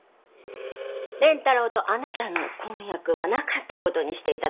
蓮太郎とあなたの婚約はなかったことにしていただきます。